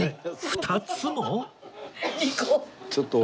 ２つも？